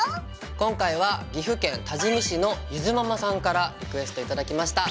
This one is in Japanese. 今回は岐阜県多治見市のゆづママさんからリクエスト頂きました。